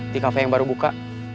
di kafe yang baru buka